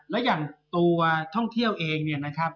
และอย่างตัวท่องเที่ยวเองเนี่ยนะครับ